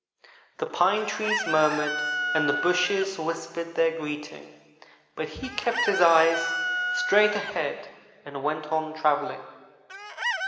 The pine trees murmured, and the bushes whispered their greeting, but he kept his eyes straight ahead and went on travelling.